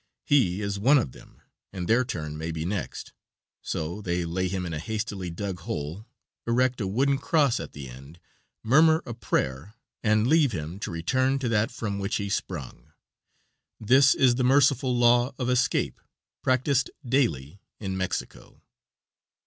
He is one of them, and their turn may be next, so they lay him in a hastily dug hole, erect a wooden cross at the end, murmur a prayer, and leave him to return to that from which he sprung. This is the merciful "law of escape" practiced daily in Mexico.